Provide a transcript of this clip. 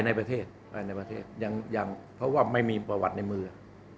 ใช่ไหมไผลในประเทศยังยังว่าไม่มีประวัติในมือ